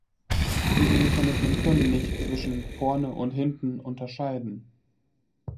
Diese Mechanismen können nicht zwischen vorne und hinten unterscheiden.